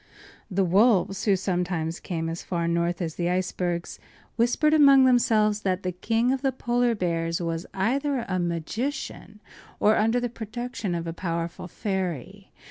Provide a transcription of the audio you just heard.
The wolves, who sometimes came as far north as the icebergs, whispered among themselves that the King of the Polar Bears was either a magician or under the protection of a powerful fairy.